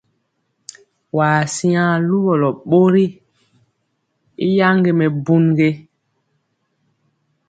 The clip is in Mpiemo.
Waa siŋa luwɔlɔ ɓori i yaŋge mɛbun?